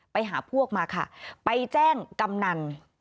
ไปหาพวกมาค่ะไปแจ้งกำนัน